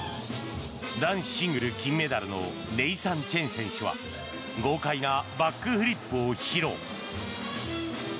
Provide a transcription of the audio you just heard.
男子シングル金メダルのネイサン・チェン選手は豪快なバックフリップを披露。